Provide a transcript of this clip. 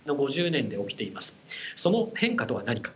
その変化とは何か。